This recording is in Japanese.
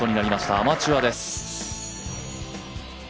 アマチュアです。